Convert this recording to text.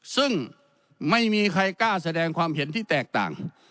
ซึ่งไม่มีใครกล้าแสดงความเห็นที่แตกต่าง